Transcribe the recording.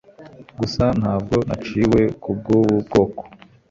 gusa ntabwo naciwe kubwubu bwoko